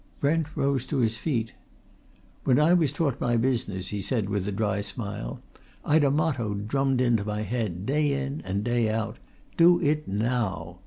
Brent rose to his feet. "When I was taught my business," he said, with a dry smile, "I'd a motto drummed into my head day in and day out. DO IT NOW!